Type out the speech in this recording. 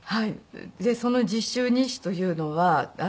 その実習日誌というのは。